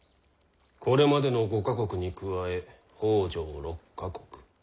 これまでの５か国に加え北条６か国。